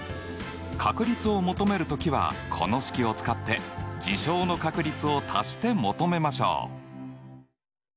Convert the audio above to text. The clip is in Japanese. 確率を求める時はこの式を使って事象の確率を足して求めましょう！